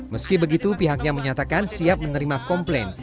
meski begitu pihaknya menyatakan siap menerima komplain